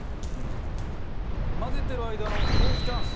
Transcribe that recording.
混ぜてる間のトークチャンス！